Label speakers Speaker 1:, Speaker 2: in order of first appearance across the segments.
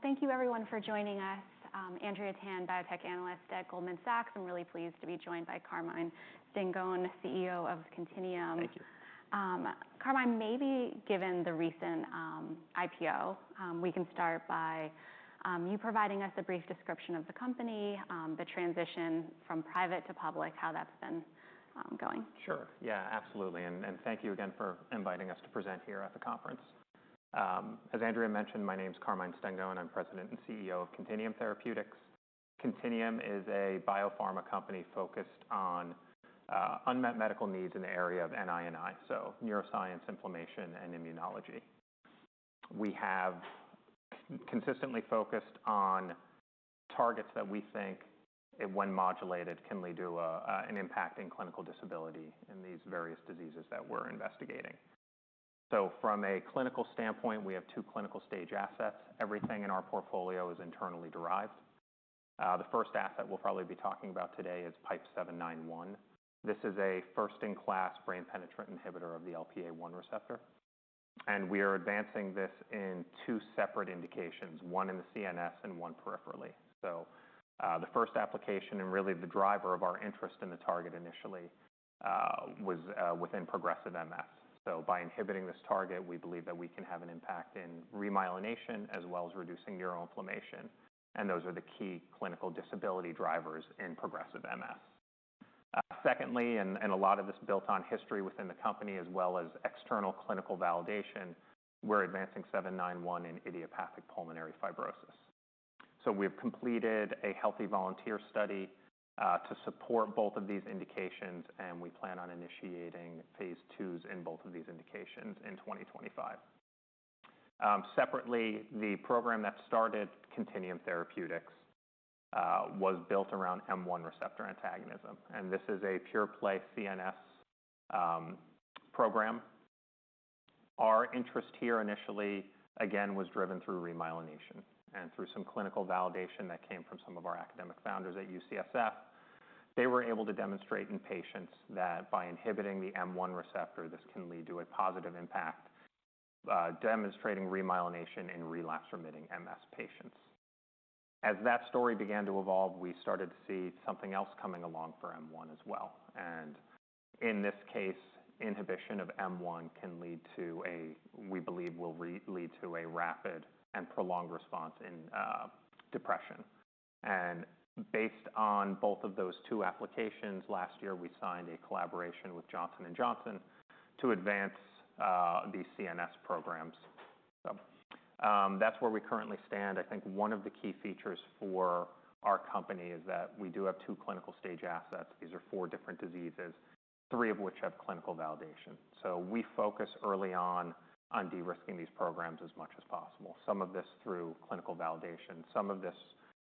Speaker 1: Well, thank you, everyone, for joining us. I'm Andrea Tan, biotech analyst at Goldman Sachs. I'm really pleased to be joined by Carmine Stengone, CEO of Contineum.
Speaker 2: Thank you.
Speaker 1: Carmine, maybe given the recent IPO, we can start by you providing us a brief description of the company, the transition from private to public, how that's been going?
Speaker 2: Sure. Yeah, absolutely. And thank you again for inviting us to present here at the conference. As Andrea mentioned, my name is Carmine Stengone, and I'm President and CEO of Contineum Therapeutics. Contineum is a biopharma company focused on unmet medical needs in the area of NI&I, so neuroscience, inflammation, and immunology. We have consistently focused on targets that we think, when modulated, can lead to an impact in clinical disability in these various diseases that we're investigating. So from a clinical standpoint, we have two clinical stage assets. Everything in our portfolio is internally derived. The first asset we'll probably be talking about today is PIPE-791. This is a first-in-class brain penetrant inhibitor of the LPA1 receptor. And we are advancing this in two separate indications, one in the CNS and one peripherally. So the first application, and really the driver of our interest in the target initially, was within progressive MS. So by inhibiting this target, we believe that we can have an impact in remyelination as well as reducing neuroinflammation. And those are the key clinical disability drivers in progressive MS. Secondly, and a lot of this built on history within the company as well as external clinical validation, we're advancing 791 in idiopathic pulmonary fibrosis. So we've completed a healthy volunteer study to support both of these indications, and we plan on initiating phase 2s in both of these indications in 2025. Separately, the program that started Contineum Therapeutics was built around M1 receptor antagonism. And this is a pure-play CNS program. Our interest here initially, again, was driven through remyelination and through some clinical validation that came from some of our academic founders at UCSF. They were able to demonstrate in patients that by inhibiting the M1 receptor, this can lead to a positive impact demonstrating remyelination in relapsing-remitting MS patients. As that story began to evolve, we started to see something else coming along for M1 as well. And in this case, inhibition of M1 can lead to a, we believe, will lead to a rapid and prolonged response in depression. And based on both of those two applications, last year, we signed a collaboration with Johnson & Johnson to advance these CNS programs. So that's where we currently stand. I think one of the key features for our company is that we do have two clinical stage assets. These are four different diseases, three of which have clinical validation. So we focus early on on de-risking these programs as much as possible. Some of this through clinical validation, some of this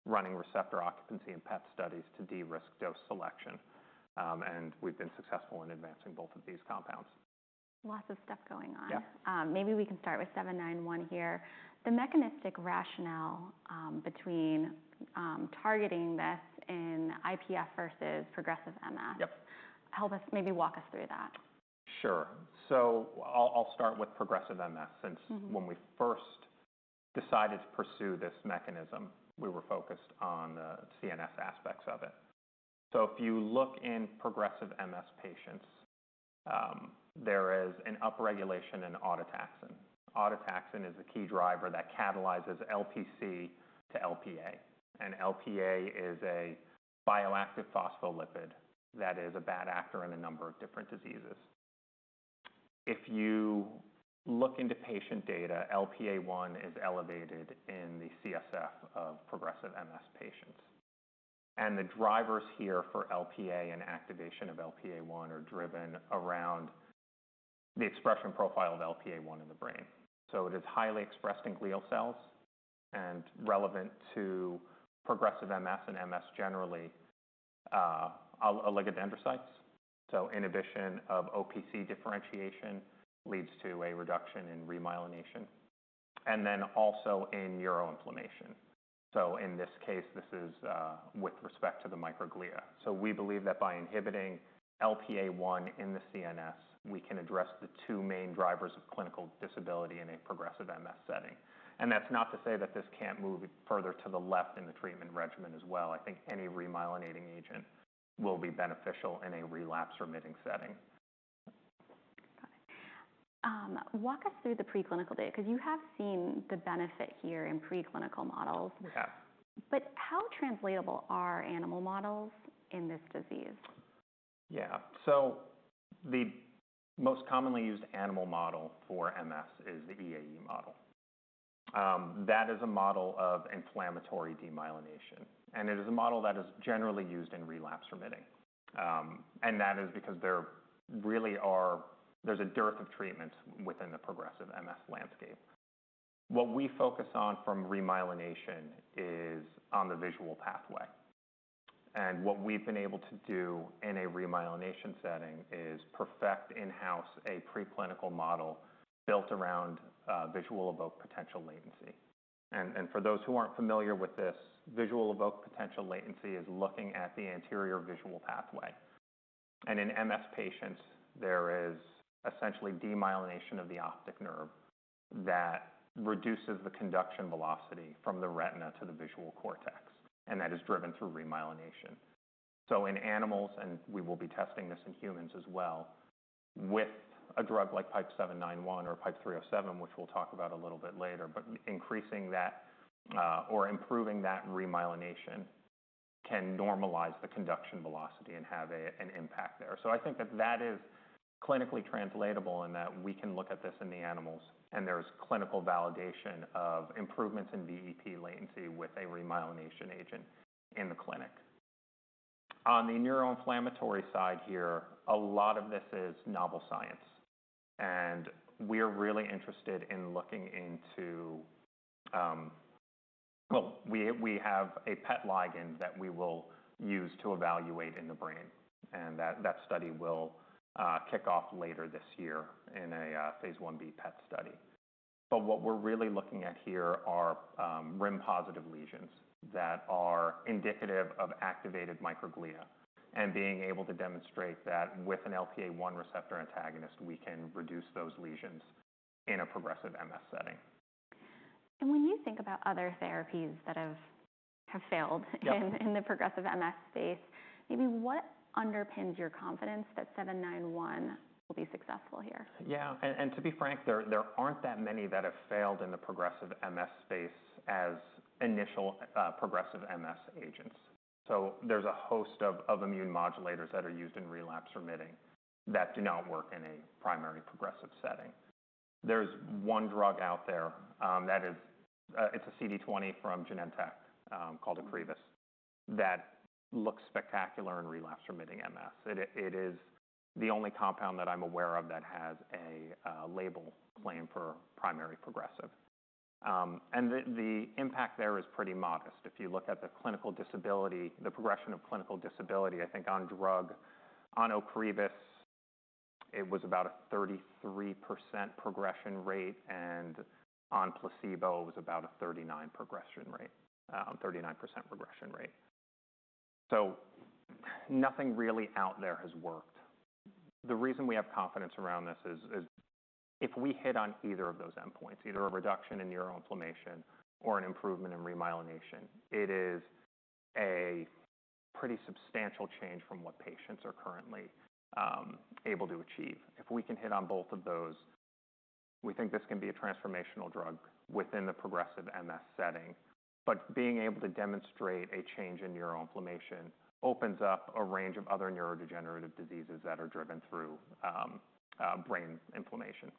Speaker 2: running receptor occupancy in PET studies to de-risk dose selection. We've been successful in advancing both of these compounds.
Speaker 1: Lots of stuff going on.
Speaker 2: Yes.
Speaker 1: Maybe we can start with 791 here. The mechanistic rationale between targeting this in IPF versus progressive MS, help us maybe walk us through that?
Speaker 2: Sure. So I'll start with progressive MS. Since when we first decided to pursue this mechanism, we were focused on the CNS aspects of it. So if you look in progressive MS patients, there is an upregulation in autotaxin. Autotaxin is the key driver that catalyzes LPC to LPA. And LPA is a bioactive phospholipid that is a bad actor in a number of different diseases. If you look into patient data, LPA1 is elevated in the CSF of progressive MS patients. And the drivers here for LPA and activation of LPA1 are driven around the expression profile of LPA1 in the brain. So it is highly expressed in glial cells and relevant to progressive MS and MS generally, oligodendrocytes. So inhibition of OPC differentiation leads to a reduction in remyelination. And then also in neuroinflammation. So in this case, this is with respect to the microglia. So we believe that by inhibiting LPA1 in the CNS, we can address the two main drivers of clinical disability in a progressive MS setting. And that's not to say that this can't move further to the left in the treatment regimen as well. I think any remyelinating agent will be beneficial in a relapsing-remitting setting.
Speaker 1: Got it. Walk us through the preclinical data, because you have seen the benefit here in preclinical models.
Speaker 2: We have.
Speaker 1: But how translatable are animal models in this disease?
Speaker 2: Yeah. So the most commonly used animal model for MS is the EAE model. That is a model of inflammatory demyelination. And it is a model that is generally used in relapsing-remitting. And that is because there really is a dearth of treatments within the progressive MS landscape. What we focus on from remyelination is on the visual pathway. And what we've been able to do in a remyelination setting is perfect in-house a preclinical model built around visual evoked potential latency. And for those who aren't familiar with this, visual evoked potential latency is looking at the anterior visual pathway. And in MS patients, there is essentially demyelination of the optic nerve that reduces the conduction velocity from the retina to the visual cortex. And that is driven through remyelination. So in animals, and we will be testing this in humans as well, with a drug like PIPE-791 or PIPE-307, which we'll talk about a little bit later, but increasing that or improving that remyelination can normalize the conduction velocity and have an impact there. So I think that that is clinically translatable in that we can look at this in the animals, and there's clinical validation of improvements in VEP latency with a remyelination agent in the clinic. On the neuroinflammatory side here, a lot of this is novel science. And we're really interested in looking into, well, we have a PET ligand that we will use to evaluate in the brain. And that study will kick off later this year in a phase 1b PET study. But what we're really looking at here are rim-positive lesions that are indicative of activated microglia. Being able to demonstrate that with an LPA1 receptor antagonist, we can reduce those lesions in a progressive MS setting.
Speaker 1: When you think about other therapies that have failed in the progressive MS space, maybe what underpins your confidence that 791 will be successful here?
Speaker 2: Yeah. And to be frank, there aren't that many that have failed in the progressive MS space as initial progressive MS agents. So there's a host of immune modulators that are used in relapsing-remitting that do not work in a primary progressive setting. There's one drug out there that is, it's a CD20 from Genentech called Ocrevus that looks spectacular in relapsing-remitting MS. It is the only compound that I'm aware of that has a label claim for primary progressive. And the impact there is pretty modest. If you look at the clinical disability, the progression of clinical disability, I think on drug on Ocrevus, it was about a 33% progression rate. And on placebo, it was about a 39% progression rate. So nothing really out there has worked. The reason we have confidence around this is if we hit on either of those endpoints, either a reduction in neuroinflammation or an improvement in remyelination, it is a pretty substantial change from what patients are currently able to achieve. If we can hit on both of those, we think this can be a transformational drug within the progressive MS setting. But being able to demonstrate a change in neuroinflammation opens up a range of other neurodegenerative diseases that are driven through brain inflammation.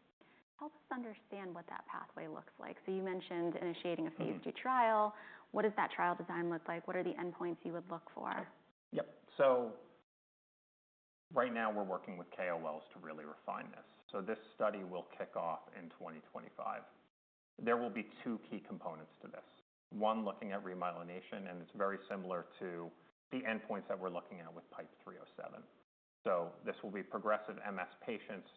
Speaker 1: Help us understand what that pathway looks like. You mentioned initiating a phase 2 trial. What does that trial design look like? What are the endpoints you would look for?
Speaker 2: Yep. So right now, we're working with KOLs to really refine this. So this study will kick off in 2025. There will be two key components to this. One, looking at remyelination, and it's very similar to the endpoints that we're looking at with PIPE-307. So this will be progressive MS patients.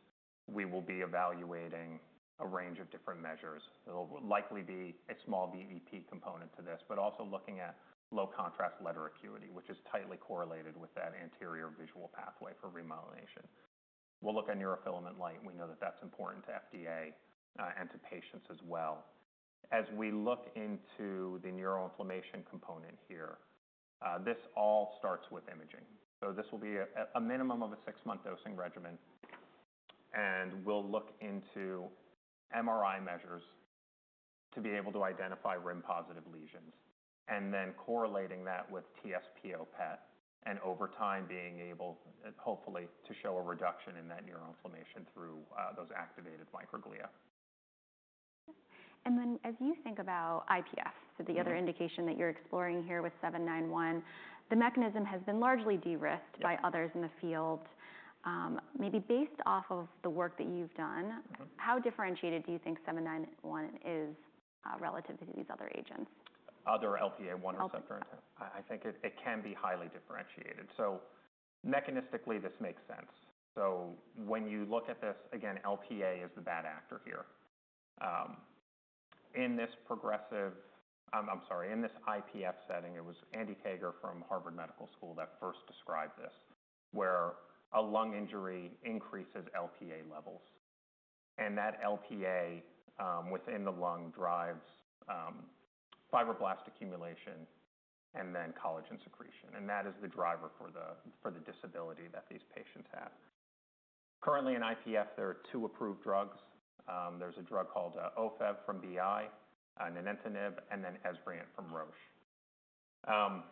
Speaker 2: We will be evaluating a range of different measures. There will likely be a small VEP component to this, but also looking at low contrast letter acuity, which is tightly correlated with that anterior visual pathway for remyelination. We'll look at neurofilament light. We know that that's important to FDA and to patients as well. As we look into the neuroinflammation component here, this all starts with imaging. So this will be a minimum of a six-month dosing regimen. We'll look into MRI measures to be able to identify rim-positive lesions, and then correlating that with TSPO PET, and over time, being able, hopefully, to show a reduction in that neuroinflammation through those activated microglia.
Speaker 1: And then as you think about IPF, so the other indication that you're exploring here with 791, the mechanism has been largely de-risked by others in the field. Maybe based off of the work that you've done, how differentiated do you think 791 is relative to these other agents?
Speaker 2: Other LPA1 receptor antagonists? I think it can be highly differentiated. So mechanistically, this makes sense. So when you look at this, again, LPA is the bad actor here. In this progressive I'm sorry, in this IPF setting, it was Andy Tager from Harvard Medical School that first described this, where a lung injury increases LPA levels. And that LPA within the lung drives fibroblast accumulation and then collagen secretion. And that is the driver for the disability that these patients have. Currently, in IPF, there are two approved drugs. There's a drug called Ofev from BI, nintedanib, and then Esbriet from Roche.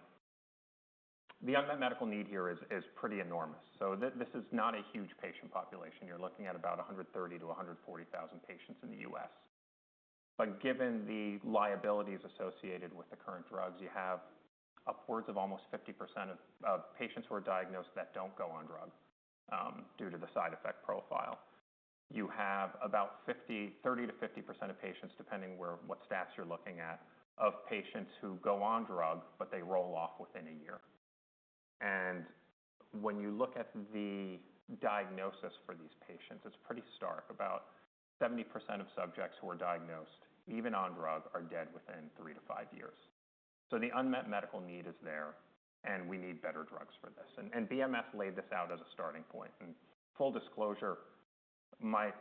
Speaker 2: The unmet medical need here is pretty enormous. So this is not a huge patient population. You're looking at about 130,000-140,000 patients in the U.S. Given the liabilities associated with the current drugs, you have upwards of almost 50% of patients who are diagnosed that don't go on drug due to the side effect profile. You have about 30%-50% of patients, depending on what stats you're looking at, of patients who go on drug, but they roll off within a year. When you look at the diagnosis for these patients, it's pretty stark. About 70% of subjects who are diagnosed, even on drug, are dead within 3-5 years. The unmet medical need is there, and we need better drugs for this. BMS laid this out as a starting point. Full disclosure, my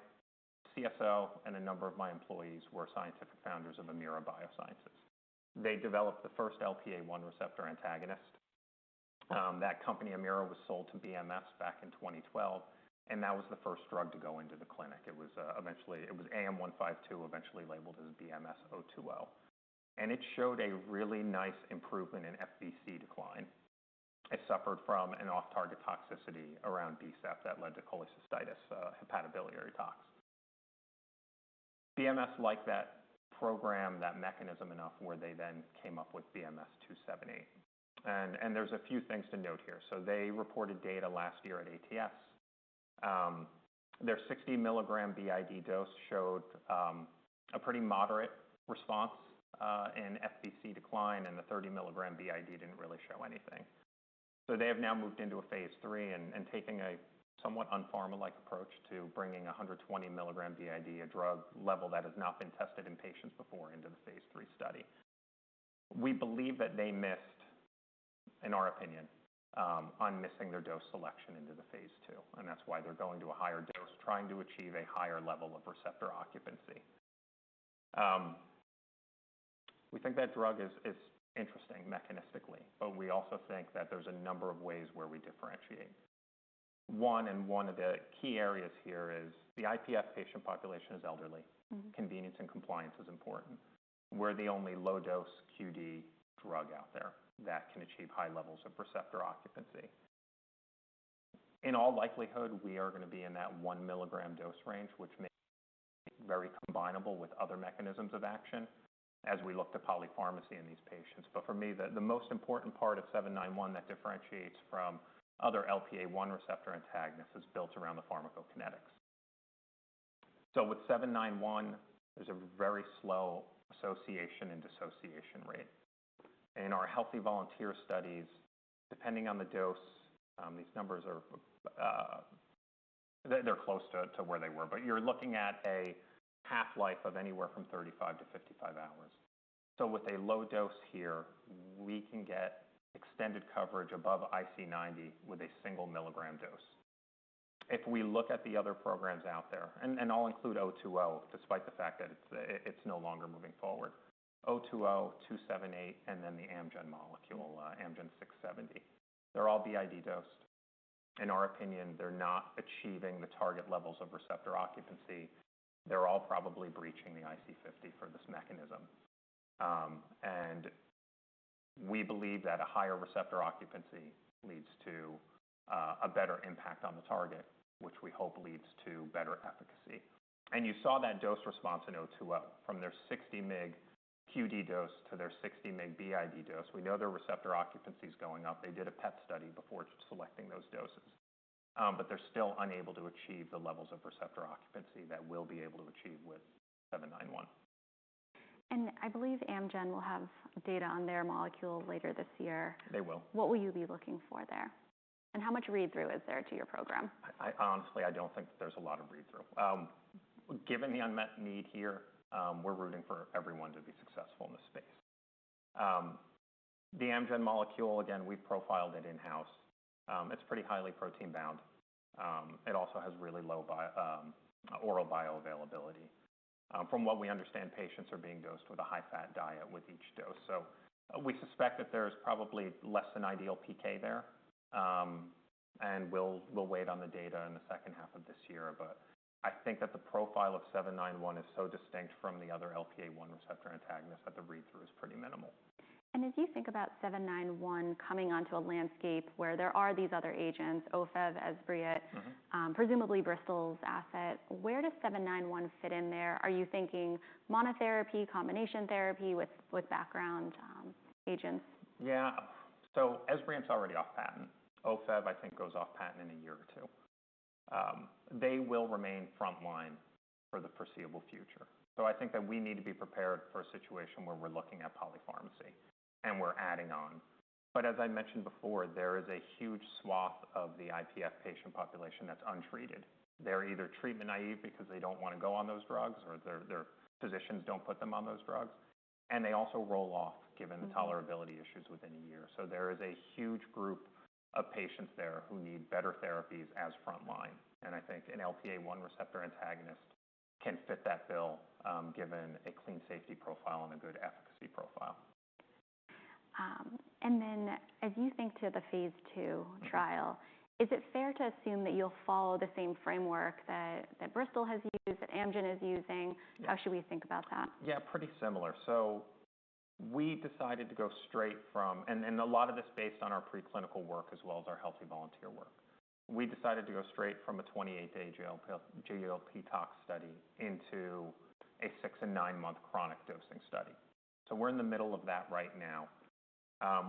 Speaker 2: CSO and a number of my employees were scientific founders of Amira Biosciences. They developed the first LPA1 receptor antagonist. That company, Amira, was sold to BMS back in 2012, and that was the first drug to go into the clinic. It was eventually AM152, eventually labeled as BMS-986020. And it showed a really nice improvement in FVC decline. It suffered from an off-target toxicity around BSEP that led to cholecystitis, hepatobiliary tox. BMS liked that program, that mechanism enough where they then came up with BMS-986278. And there's a few things to note here. So they reported data last year at ATS. Their 60-milligram b.i.d. dose showed a pretty moderate response in FVC decline, and the 30-milligram b.i.d. didn't really show anything. So they have now moved into a phase 3 and taking a somewhat unpharma-like approach to bringing 120-milligram b.i.d., a drug level that has not been tested in patients before, into the phase 3 study. We believe that they missed, in our opinion, on missing their dose selection into the phase 2. That's why they're going to a higher dose, trying to achieve a higher level of receptor occupancy. We think that drug is interesting mechanistically, but we also think that there's a number of ways where we differentiate. One, and one of the key areas here is the IPF patient population is elderly. Convenience and compliance is important. We're the only low-dose QD drug out there that can achieve high levels of receptor occupancy. In all likelihood, we are going to be in that 1-milligram dose range, which may be very combinable with other mechanisms of action as we look to polypharmacy in these patients. For me, the most important part of 791 that differentiates from other LPA1 receptor antagonists is built around the pharmacokinetics. So with 791, there's a very slow association and dissociation rate. In our healthy volunteer studies, depending on the dose, these numbers, they're close to where they were. But you're looking at a half-life of anywhere from 35 to 55 hours. So with a low dose here, we can get extended coverage above IC90 with a single-milligram dose. If we look at the other programs out there, and I'll include 020, despite the fact that it's no longer moving forward, 020, 278, and then the Amgen molecule, AMG 670. They're all b.i.d. dosed. In our opinion, they're not achieving the target levels of receptor occupancy. They're all probably breaching the IC50 for this mechanism. And we believe that a higher receptor occupancy leads to a better impact on the target, which we hope leads to better efficacy. And you saw that dose response in 020. From their 60-mg QD dose to their 60-mg b.i.d. dose, we know their receptor occupancy is going up. They did a PET study before selecting those doses. But they're still unable to achieve the levels of receptor occupancy that we'll be able to achieve with 791.
Speaker 1: I believe Amgen will have data on their molecule later this year.
Speaker 2: They will.
Speaker 1: What will you be looking for there? How much read-through is there to your program?
Speaker 2: Honestly, I don't think there's a lot of read-through. Given the unmet need here, we're rooting for everyone to be successful in this space. The Amgen molecule, again, we've profiled it in-house. It's pretty highly protein-bound. It also has really low oral bioavailability. From what we understand, patients are being dosed with a high-fat diet with each dose. So we suspect that there is probably less than ideal PK there. And we'll wait on the data in the second half of this year. But I think that the profile of 791 is so distinct from the other LPA1 receptor antagonist that the read-through is pretty minimal.
Speaker 1: As you think about 791 coming onto a landscape where there are these other agents, OFEV, Esbriet, presumably Bristol's asset, where does 791 fit in there? Are you thinking monotherapy, combination therapy with background agents?
Speaker 2: Yeah. So Esbriet's already off patent. OFEV, I think, goes off patent in a year or two. They will remain frontline for the foreseeable future. So I think that we need to be prepared for a situation where we're looking at polypharmacy and we're adding on. But as I mentioned before, there is a huge swath of the IPF patient population that's untreated. They're either treatment naive because they don't want to go on those drugs, or their physicians don't put them on those drugs. And they also roll off given the tolerability issues within a year. So there is a huge group of patients there who need better therapies as frontline. And I think an LPA1 receptor antagonist can fit that bill given a clean safety profile and a good efficacy profile.
Speaker 1: And then as you think to the phase two trial, is it fair to assume that you'll follow the same framework that Bristol has used, that Amgen is using? How should we think about that?
Speaker 2: Yeah, pretty similar. So we decided to go straight from, and a lot of this based on our preclinical work as well as our healthy volunteer work. We decided to go straight from a 28-day GLP tox study into a 6- and 9-month chronic dosing study. So we're in the middle of that right now.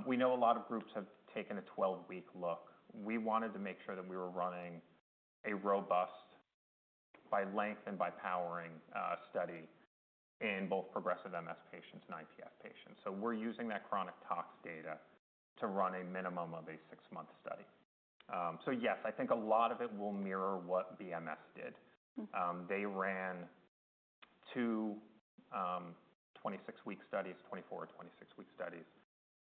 Speaker 2: We know a lot of groups have taken a 12-week look. We wanted to make sure that we were running a robust, by length and by powering, study in both progressive MS patients and IPF patients. So we're using that chronic tox data to run a minimum of a 6-month study. So yes, I think a lot of it will mirror what BMS did. They ran two 26-week studies, 24- or 26-week studies,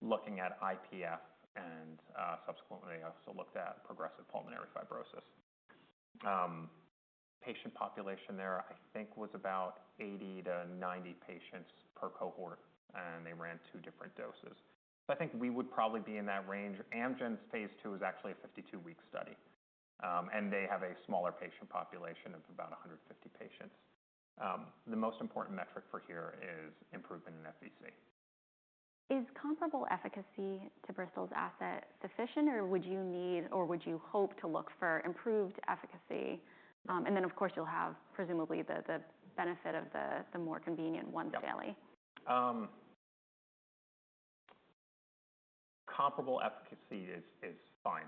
Speaker 2: looking at IPF, and subsequently also looked at progressive pulmonary fibrosis. Patient population there, I think, was about 80-90 patients per cohort, and they ran two different doses. So I think we would probably be in that range. Amgen's phase 2 is actually a 52-week study, and they have a smaller patient population of about 150 patients. The most important metric for here is improvement in FVC.
Speaker 1: Is comparable efficacy to Bristol's asset sufficient, or would you need, or would you hope to look for improved efficacy? And then, of course, you'll have presumably the benefit of the more convenient once daily.
Speaker 2: Comparable efficacy is fine.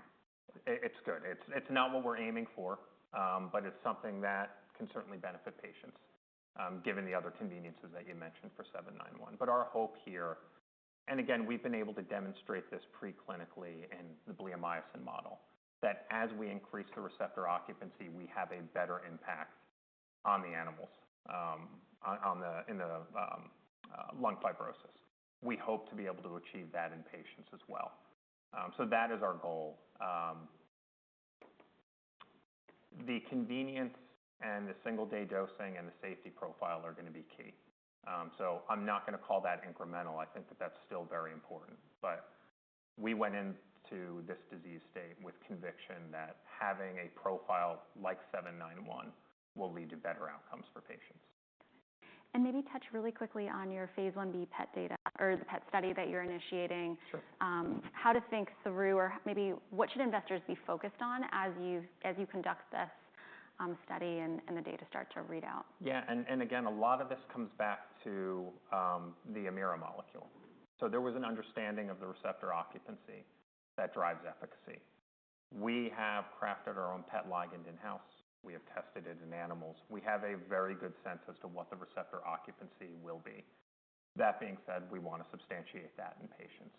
Speaker 2: It's good. It's not what we're aiming for, but it's something that can certainly benefit patients, given the other conveniences that you mentioned for 791. But our hope here, and again, we've been able to demonstrate this preclinically in the bleomycin model, that as we increase the receptor occupancy, we have a better impact on the animals in the lung fibrosis. We hope to be able to achieve that in patients as well. So that is our goal. The convenience and the single-day dosing and the safety profile are going to be key. So I'm not going to call that incremental. I think that that's still very important. But we went into this disease state with conviction that having a profile like 791 will lead to better outcomes for patients.
Speaker 1: Maybe touch really quickly on your phase 1b PET data or the PET study that you're initiating. How to think through, or maybe what should investors be focused on as you conduct this study and the data start to read out?
Speaker 2: Yeah. And again, a lot of this comes back to the Amira molecule. So there was an understanding of the receptor occupancy that drives efficacy. We have crafted our own PET ligand in-house. We have tested it in animals. We have a very good sense as to what the receptor occupancy will be. That being said, we want to substantiate that in patients.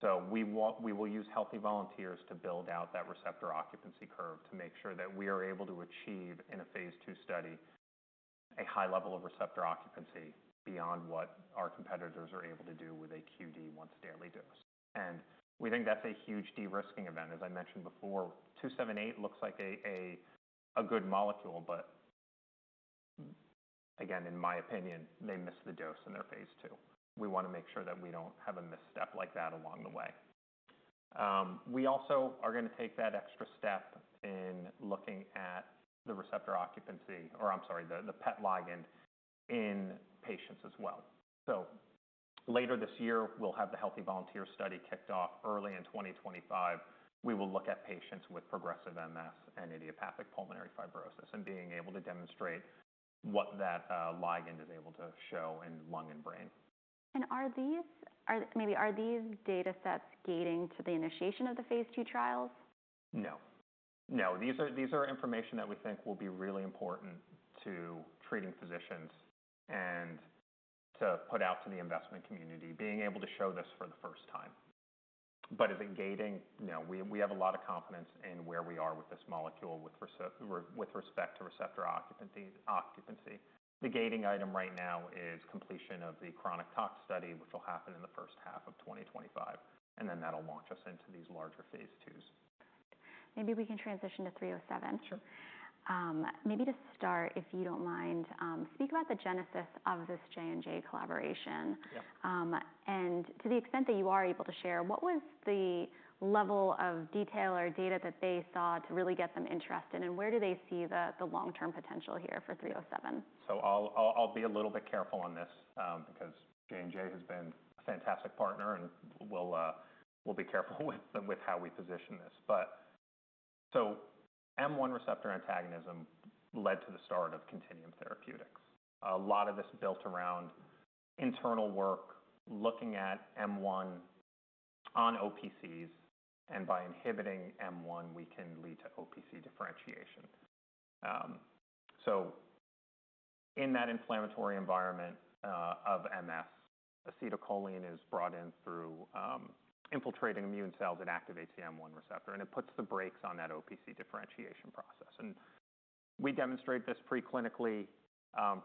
Speaker 2: So we will use healthy volunteers to build out that receptor occupancy curve to make sure that we are able to achieve, in a phase 2 study, a high level of receptor occupancy beyond what our competitors are able to do with a QD once daily dose. And we think that's a huge de-risking event. As I mentioned before, 278 looks like a good molecule, but again, in my opinion, they missed the dose in their phase 2. We want to make sure that we don't have a misstep like that along the way. We also are going to take that extra step in looking at the receptor occupancy, or I'm sorry, the PET ligand in patients as well. So later this year, we'll have the healthy volunteer study kicked off early in 2025. We will look at patients with progressive MS and idiopathic pulmonary fibrosis and being able to demonstrate what that ligand is able to show in lung and brain.
Speaker 1: And maybe are these data sets gating to the initiation of the phase 2 trials?
Speaker 2: No. No. These are information that we think will be really important to treating physicians and to put out to the investment community, being able to show this for the first time. But is it gating? No. We have a lot of confidence in where we are with this molecule with respect to receptor occupancy. The gating item right now is completion of the chronic tox study, which will happen in the first half of 2025. And then that'll launch us into these larger phase twos.
Speaker 1: Maybe we can transition to 307.
Speaker 2: Sure.
Speaker 1: Maybe to start, if you don't mind, speak about the genesis of this J&J collaboration. To the extent that you are able to share, what was the level of detail or data that they saw to really get them interested? And where do they see the long-term potential here for 307?
Speaker 2: So I'll be a little bit careful on this because J&J has been a fantastic partner, and we'll be careful with how we position this. So M1 receptor antagonism led to the start of Contineum Therapeutics. A lot of this built around internal work looking at M1 on OPCs. And by inhibiting M1, we can lead to OPC differentiation. So in that inflammatory environment of MS, acetylcholine is brought in through infiltrating immune cells. It activates the M1 receptor, and it puts the brakes on that OPC differentiation process. And we demonstrate this preclinically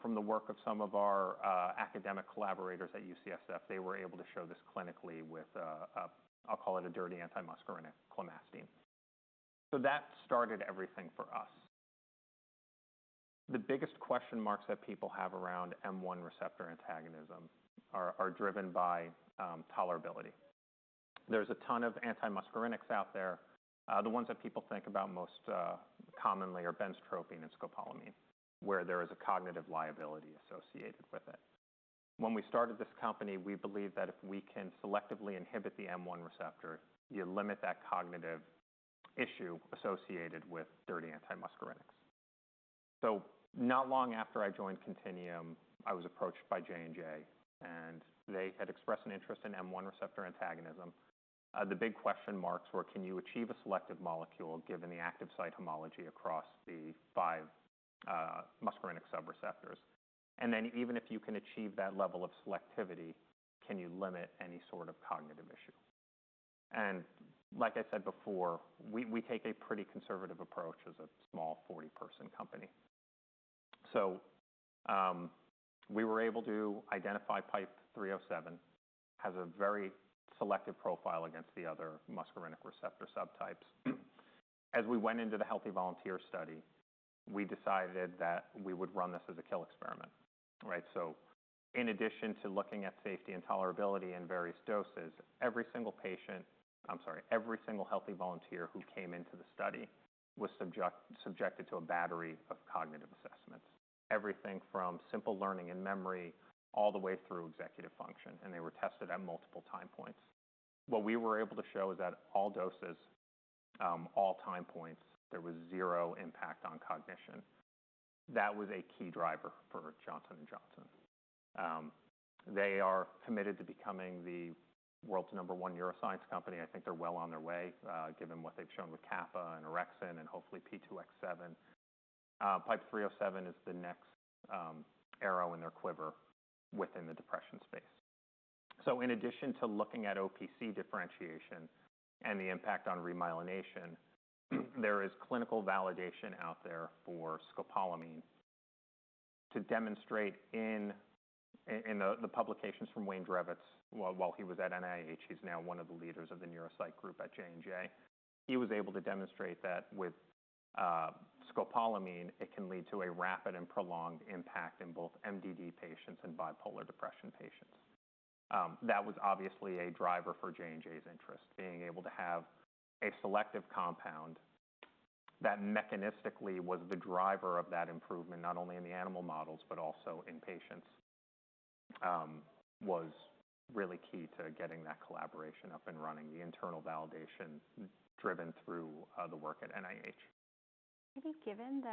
Speaker 2: from the work of some of our academic collaborators at UCSF. They were able to show this clinically with, I'll call it a dirty anti-muscarinic clemastine. So that started everything for us. The biggest question marks that people have around M1 receptor antagonism are driven by tolerability. There's a ton of anti-muscarinics out there. The ones that people think about most commonly are benztropine and scopolamine, where there is a cognitive liability associated with it. When we started this company, we believed that if we can selectively inhibit the M1 receptor, you limit that cognitive issue associated with dirty anti-muscarinics. So not long after I joined Contineum, I was approached by J&J, and they had expressed an interest in M1 receptor antagonism. The big question marks were, can you achieve a selective molecule given the active site homology across the five muscarinic sub-receptors? And then even if you can achieve that level of selectivity, can you limit any sort of cognitive issue? And like I said before, we take a pretty conservative approach as a small 40-person company. So we were able to identify PIPE-307 has a very selective profile against the other muscarinic receptor subtypes. As we went into the healthy volunteer study, we decided that we would run this as a kill experiment. So in addition to looking at safety and tolerability in various doses, every single patient, I'm sorry, every single healthy volunteer who came into the study was subjected to a battery of cognitive assessments, everything from simple learning and memory all the way through executive function. And they were tested at multiple time points. What we were able to show is that all doses, all time points, there was zero impact on cognition. That was a key driver for Johnson & Johnson. They are committed to becoming the world's number 1 neuroscience company. I think they're well on their way, given what they've shown with kappa and orexin and hopefully P2X7. PIPE-307 is the next arrow in their quiver within the depression space. So in addition to looking at OPC differentiation and the impact on remyelination, there is clinical validation out there for scopolamine to demonstrate in the publications from Wayne Drevets while he was at NIH. He's now one of the leaders of the neuropsychiatry group at J&J. He was able to demonstrate that with scopolamine, it can lead to a rapid and prolonged impact in both MDD patients and bipolar depression patients. That was obviously a driver for J&J's interest, being able to have a selective compound that mechanistically was the driver of that improvement, not only in the animal models, but also in patients, was really key to getting that collaboration up and running, the internal validation driven through the work at NIH.
Speaker 1: Maybe given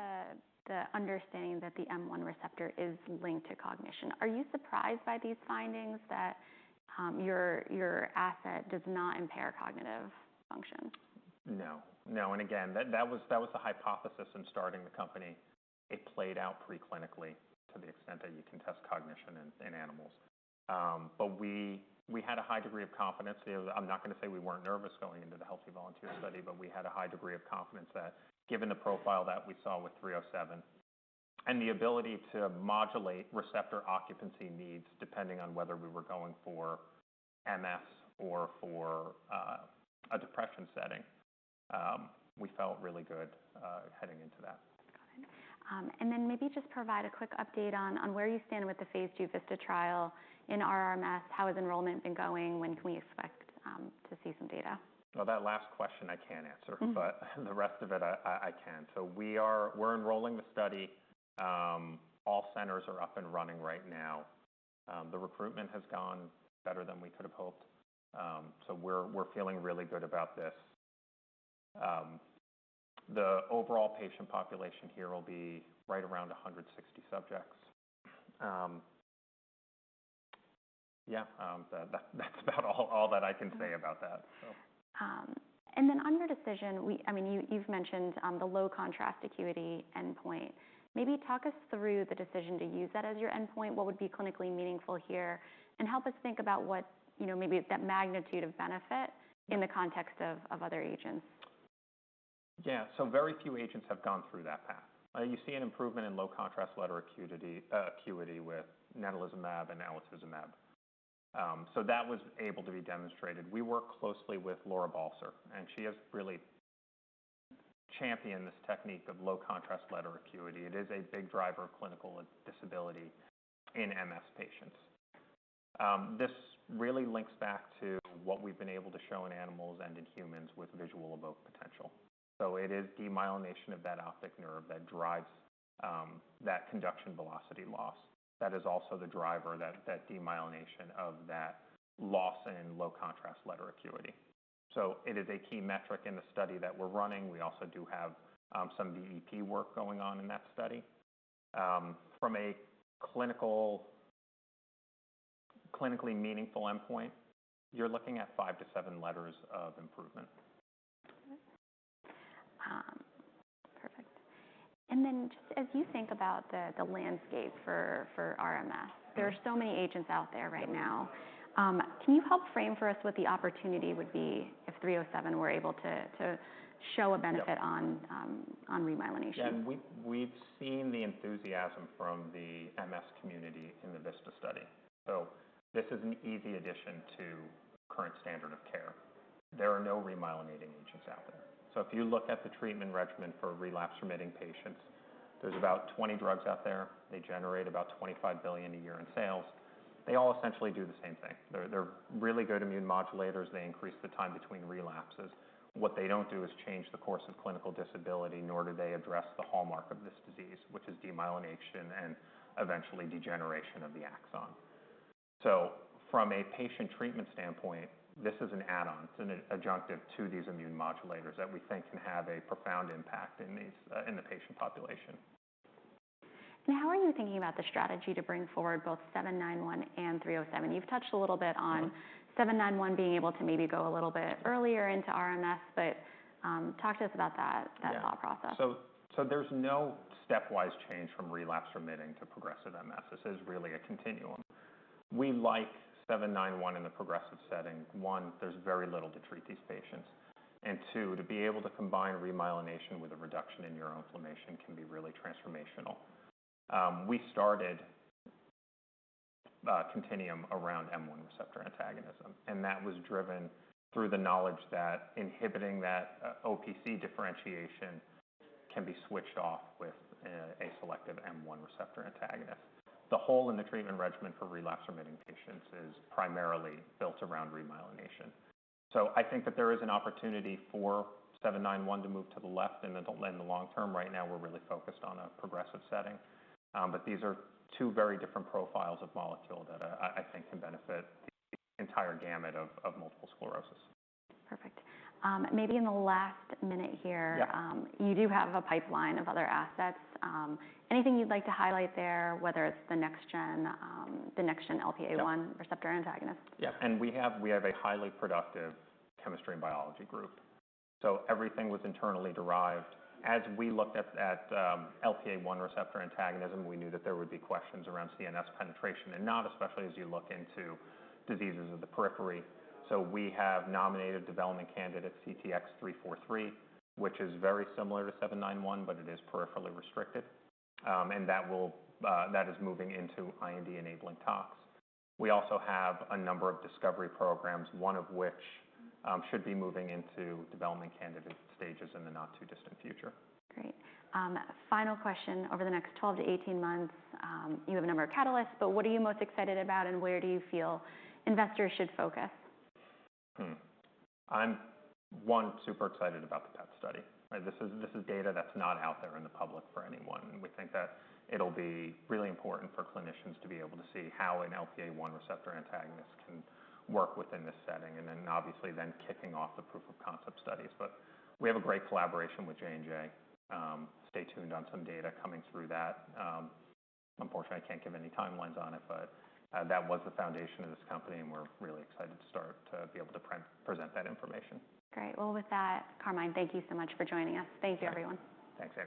Speaker 1: the understanding that the M1 receptor is linked to cognition, are you surprised by these findings that your asset does not impair cognitive function?
Speaker 2: No. No. And again, that was the hypothesis in starting the company. It played out preclinically to the extent that you can test cognition in animals. But we had a high degree of confidence. I'm not going to say we weren't nervous going into the healthy volunteer study, but we had a high degree of confidence that given the profile that we saw with 307 and the ability to modulate receptor occupancy needs depending on whether we were going for MS or for a depression setting, we felt really good heading into that.
Speaker 1: Got it. Then maybe just provide a quick update on where you stand with the phase 2 VISTA trial in RRMS. How has enrollment been going? When can we expect to see some data?
Speaker 2: Well, that last question I can't answer, but the rest of it I can. So we're enrolling the study. All centers are up and running right now. The recruitment has gone better than we could have hoped. So we're feeling really good about this. The overall patient population here will be right around 160 subjects. Yeah, that's about all that I can say about that.
Speaker 1: And then on your decision, I mean, you've mentioned the low contrast acuity endpoint. Maybe talk us through the decision to use that as your endpoint. What would be clinically meaningful here? And help us think about what maybe that magnitude of benefit in the context of other agents.
Speaker 2: Yeah. So very few agents have gone through that path. You see an improvement in low contrast letter acuity with natalizumab and alemtuzumab. So that was able to be demonstrated. We work closely with Laura Balcer, and she has really championed this technique of low contrast letter acuity. It is a big driver of clinical disability in MS patients. This really links back to what we've been able to show in animals and in humans with visual evoked potential. So it is demyelination of that optic nerve that drives that conduction velocity loss. That is also the driver, that demyelination of that loss in low contrast letter acuity. So it is a key metric in the study that we're running. We also do have some VEP work going on in that study. From a clinically meaningful endpoint, you're looking at 5-7 letters of improvement.
Speaker 1: Perfect. And then just as you think about the landscape for RMS, there are so many agents out there right now. Can you help frame for us what the opportunity would be if 307 were able to show a benefit on remyelination?
Speaker 2: Yeah. We've seen the enthusiasm from the MS community in the VISTA study. So this is an easy addition to current standard of care. There are no remyelinating agents out there. So if you look at the treatment regimen for relapsing-remitting patients, there's about 20 drugs out there. They generate about $25 billion a year in sales. They all essentially do the same thing. They're really good immune modulators. They increase the time between relapses. What they don't do is change the course of clinical disability, nor do they address the hallmark of this disease, which is demyelination and eventually degeneration of the axon. So from a patient treatment standpoint, this is an add-on. It's an adjunctive to these immune modulators that we think can have a profound impact in the patient population.
Speaker 1: Now, how are you thinking about the strategy to bring forward both 791 and 307? You've touched a little bit on 791 being able to maybe go a little bit earlier into RMS, but talk to us about that thought process.
Speaker 2: Yeah. So there's no stepwise change from relapsing-remitting to progressive MS. This is really a continuum. We like 791 in the progressive setting. One, there's very little to treat these patients. And two, to be able to combine remyelination with a reduction in neuroinflammation can be really transformational. We started Contineum around M1 receptor antagonism, and that was driven through the knowledge that inhibiting that OPC differentiation can be switched off with a selective M1 receptor antagonist. The whole in the treatment regimen for relapsing-remitting patients is primarily built around remyelination. So I think that there is an opportunity for 791 to move to the left, and in the long term right now, we're really focused on a progressive setting. But these are two very different profiles of molecule that I think can benefit the entire gamut of multiple sclerosis.
Speaker 1: Perfect. Maybe in the last minute here, you do have a pipeline of other assets. Anything you'd like to highlight there, whether it's the next-gen, the next-gen LPA1 receptor antagonist?
Speaker 2: Yeah. And we have a highly productive chemistry and biology group. So everything was internally derived. As we looked at LPA1 receptor antagonism, we knew that there would be questions around CNS penetration and not especially as you look into diseases of the periphery. So we have nominated development candidate CTX-343, which is very similar to 791, but it is peripherally restricted. And that is moving into IND-enabling tox. We also have a number of discovery programs, one of which should be moving into development candidate stages in the not too distant future.
Speaker 1: Great. Final question. Over the next 12-18 months, you have a number of catalysts, but what are you most excited about and where do you feel investors should focus?
Speaker 2: I'm super excited about the PET study. This is data that's not out there in the public for anyone. We think that it'll be really important for clinicians to be able to see how an LPA1 receptor antagonist can work within this setting. And then obviously then kicking off the proof of concept studies. But we have a great collaboration with J&J. Stay tuned on some data coming through that. Unfortunately, I can't give any timelines on it, but that was the foundation of this company, and we're really excited to start to be able to present that information.
Speaker 1: Great. Well, with that, Carmine, thank you so much for joining us. Thank you, everyone.
Speaker 2: Thanks. Thanks.